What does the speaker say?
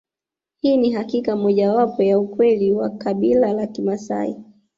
Hii ni hakika moja wapo ya ukweli wa kabila ya Kimaasai